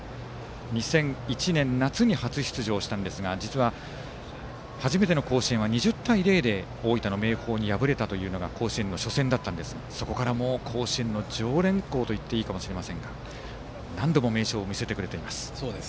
２００１年夏に初出場したんですが実は、初めての甲子園は２０対０で大分の明豊に敗れたというのが甲子園の初戦でしたがそこからもう甲子園の常連校と言っていいかもしれませんが何度も名勝負を見せてくれています。